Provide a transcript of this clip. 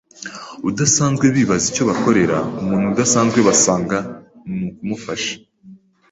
udasanzwe bibaza icyo bakorera umuntu udasanzwe basanga ni ukumufasha,